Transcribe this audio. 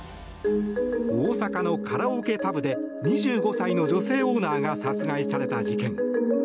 大阪のカラオケパブで２５歳の女性オーナーが殺害された事件。